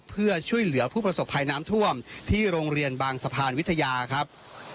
เพื่อช่วยเหลือผู้ประสบภัยน้ำท่วมที่โรงเรียนบางสะพานวิทยาครับ